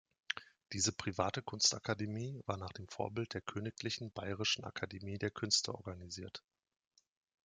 Diese private Kunstakademie war nach dem Vorbild der Königlich Bayerischen Akademie der Künste organisiert.